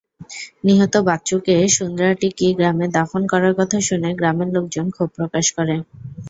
নিহত বাচ্চুকে সুন্দ্রাটিকি গ্রামে দাফন করার কথা শুনে গ্রামের লোকজন ক্ষোভ প্রকাশ করে।